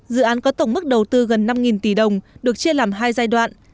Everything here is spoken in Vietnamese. dự án có tổng mức đầu tư gần năm tỷ đồng được chia làm hai giai đoạn